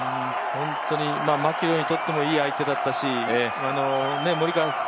本当にマキロイにとってもいい相手だったしモリカワ